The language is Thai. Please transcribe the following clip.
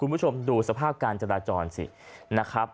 คุณผู้ชมดูสภาพการจราจรสินะครับ